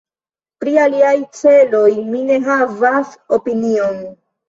Pri aliaj celoj mi ne havas opinion.